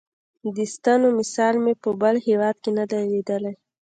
دې ستنو مثال مې په بل هېواد کې نه دی لیدلی.